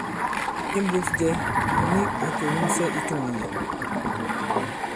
Imbūs jɛ, mùt nik ǎ kè wumsɛ i tûŋ yě.